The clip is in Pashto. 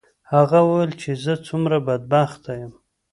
هغه وویل چې زه څومره بدبخته یم.